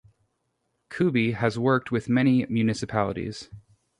Kuby has worked with many municipalities.